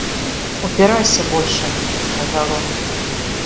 Упирайся больше, — сказал он.